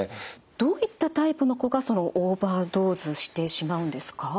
どういったタイプの子がそのオーバードーズしてしまうんですか？